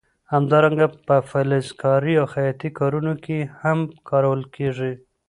همدارنګه په فلزکارۍ او خیاطۍ کارونو کې هم کارول کېږي.